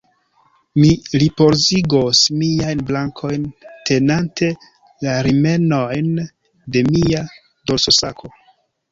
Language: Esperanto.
Mi ripozigos miajn brakojn, tenante la rimenojn de mia dorsosako.